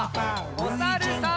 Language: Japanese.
おさるさん。